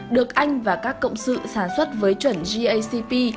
được anh và các cộng sự sản xuất với chuẩn gacp